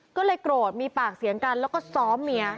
ก็เลยโกรธมีปากเสียงกันแล้วก็ซ้อมเมีย